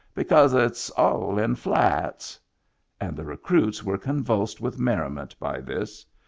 Because it's all in flats," and the recruits were convulsed with merriment by this.